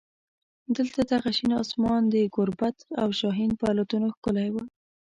دلته دغه شین اسمان د ګوربت او شاهین په الوتنو ښکلی و.